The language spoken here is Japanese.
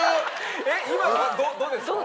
えっ今のドですか？